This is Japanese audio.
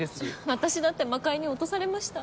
私だって魔界に落とされました。